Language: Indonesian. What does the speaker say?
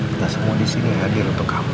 kita semua disini hadir untuk kamu